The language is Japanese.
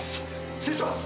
失礼します！